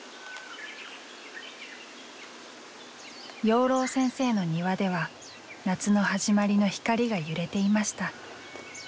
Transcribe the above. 養老先生の庭では夏の始まりの光が揺れていました。